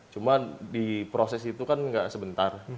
cuma di proses itu kan nggak sebentar